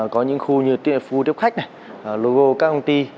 có những khu như tiệm phu tiếp khách này logo các công ty